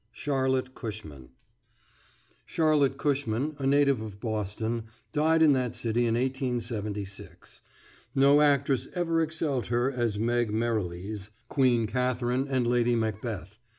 CHARLOTTE CUSHMAN [Charlotte Cushman, a native of Boston, died in that city in 1876. No actress ever excelled her as Meg Merrilies, Queen Katherine, and Lady Macbeth.